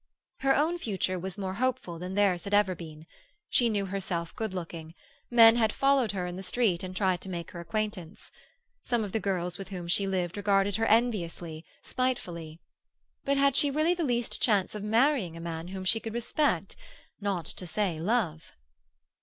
Her own future was more hopeful than theirs had ever been. She knew herself good looking. Men had followed her in the street and tried to make her acquaintance. Some of the girls with whom she lived regarded her enviously, spitefully. But had she really the least chance of marrying a man whom she could respect—not to say love?